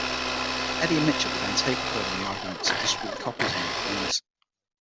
Eddie and Mitchell began tape recording the arguments, and distributing copies among their friends.